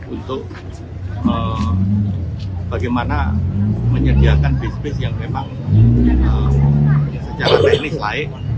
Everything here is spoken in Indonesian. untuk bagaimana menyediakan bis bis yang memang secara teknis baik